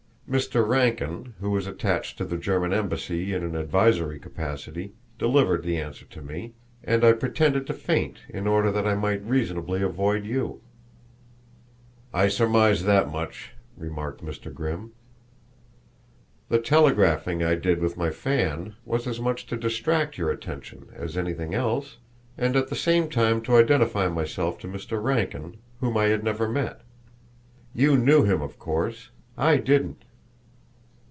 Mr. Rankin, who was attached to the German embassy in an advisory capacity, delivered the answer to me, and I pretended to faint in order that I might reasonably avoid you." "I surmised that much," remarked Mr. Grimm. "The telegraphing I did with my fan was as much to distract your attention as anything else, and at the same time to identify myself to Mr. Rankin, whom I had never met. You knew him, of course; I didn't."